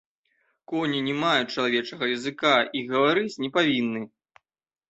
Коні не маюць чалавечага языка і гаварыць не павінны!